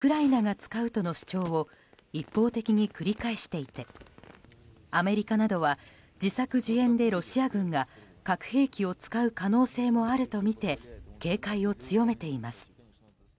いわゆる汚い爆弾をウクライナが使うとの主張を一方的に繰り返していてアメリカなどは自作自演でロシア軍が核兵器を使う可能性もあるとみて警戒を強めています。